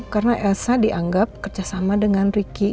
karena elsa dianggap kerjasama dengan riki